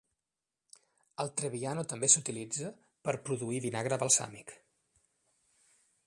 El trebbiano també s'utilitza per produir vinagre balsàmic.